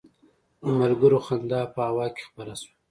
د ملګرو خندا په هوا کې خپره شوه.